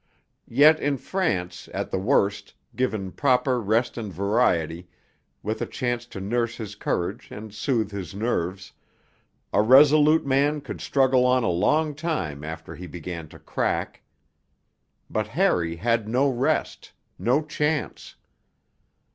Yet in France, at the worst, given proper rest and variety, with a chance to nurse his courage and soothe his nerves, a resolute man could struggle on a long time after he began to crack. But Harry had no rest, no chance.